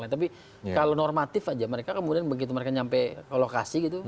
tapi kalau normatif aja mereka kemudian begitu mereka nyampe ke lokasi gitu